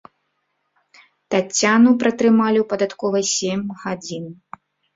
Таццяну пратрымалі ў падатковай сем гадзін.